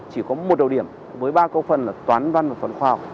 chỉ có một đầu điểm với ba câu phần là toán văn và phần khoa học